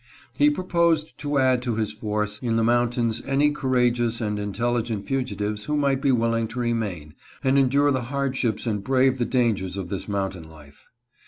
He proposed to add to his force in the mountains any courageous and intelligent fugitives who might be willing to remain and endure the hardships and brave the dangers of this mountain life.